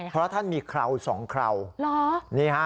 เพราะท่านมีเคราะห์สองเคราะห์